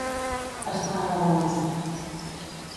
Estar a la balança.